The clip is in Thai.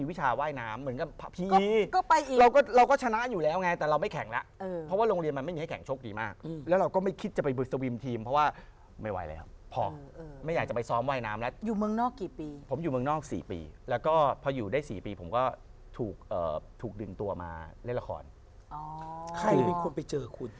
ว่ายน้ำเหมือนกับพี่ก็ไปอีกเราก็เราก็ชนะอยู่แล้วไงแต่เราไม่แข่งแล้วเพราะว่าโรงเรียนมันไม่มีให้แข่งโชคดีมากแล้วเราก็ไม่คิดจะไปบุษวิมทีมเพราะว่าไม่ไหวแล้วพอไม่อยากจะไปซ้อมว่ายน้ำแล้วอยู่เมืองนอกกี่ปีผมอยู่เมืองนอกสี่ปีแล้วก็พออยู่ได้๔ปีผมก็ถูกดึงตัวมาเล่นละครใครเป็นคนไปเจอคุณ